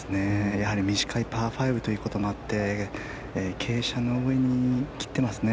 やはり短いパー５ということもあって傾斜の上に切ってますね